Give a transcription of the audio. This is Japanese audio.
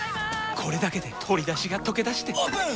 これだけで鶏だしがとけだしてオープン！